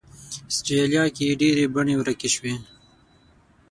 استرالیا کې یې ډېرې بڼې ورکې شوې.